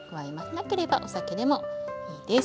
なければお酒でもいいです。